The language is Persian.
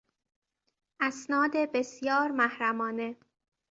اسناد بسیار محرمانه